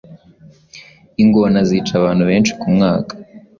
ingona zica abantu benshi ku mwaka